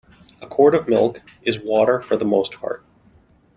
A quart of milk is water for the most part.